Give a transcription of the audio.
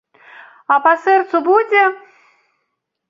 А па сэрцу будзе?